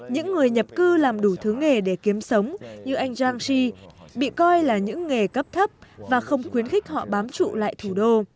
những người nhập cư làm đủ thứ nghề để kiếm sống như anh jang ji bị coi là những nghề cấp thấp và không khuyến khích họ bám trụ lại thủ đô